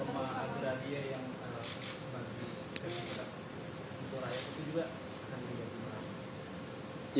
reforma agraria yang kembali ke bukit kota itu rakyat itu juga akan menjadi yang terakhir